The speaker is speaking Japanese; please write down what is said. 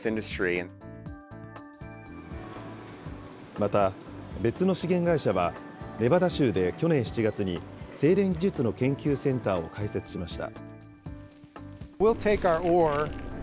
また、別の資源会社は、ネバダ州で去年７月に、精錬技術の研究センターを開設しました。